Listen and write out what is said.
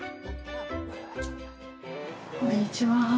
こんにちは。